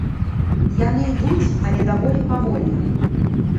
Яны ідуць, але даволі павольна.